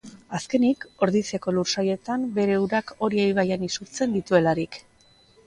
Azkenik, Ordiziako lursailetan bere urak Oria ibaian isurtzen dituelarik.